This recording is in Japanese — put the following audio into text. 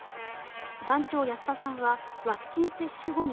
団長安田さんはワクチン接種後に